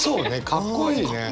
かっこいい。